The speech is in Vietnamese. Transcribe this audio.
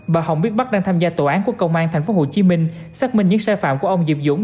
bà hồng biết bắc đang tham gia tòa án của công an tp hcm xác minh những sai phạm của ông diệp dũng